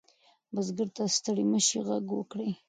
بزګر ته د ستړي مشي غږ وکړئ.